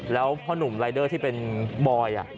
แล้วพ่อหนุ่มรายเดอร์ที่เป็นบอย